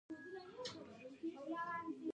بهتان تړل څه دي؟